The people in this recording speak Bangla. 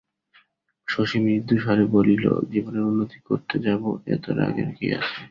শশী মৃদুস্বরে বলিল, জীবনের উন্নতি করতে যাব, এতে রাগের কী আছে?